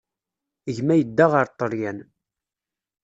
Gma yedda ɣer Ṭṭalyan.